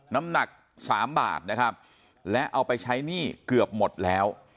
น้ำหนักสามบาทนะครับและเอาไปใช้หนี้เกือบหมดแล้ว